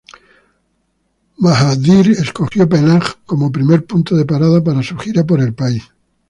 Mahathir escogió Penang como primer punto de parada para su gira por el país.